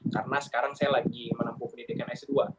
karena sekarang saya lagi menempuh pendidikan s dua